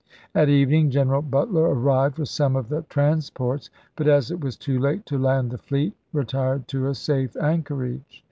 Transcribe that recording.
At evening General Butler arrived with some of the transports, but as it was too late to land the fleet retired to a safe anchorage.